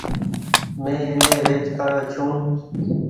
مين ايني ويچ ڪآڙيو ڇون ۔